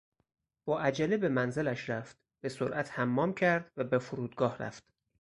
با عجله به منزلش رفت، به سرعت حمام کرد و به فرودگاه رفت.